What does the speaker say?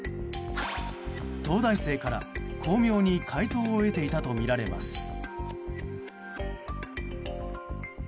東大生から巧妙に解答を得ていたとみられます。